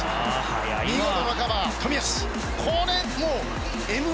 見事なカバー、冨安！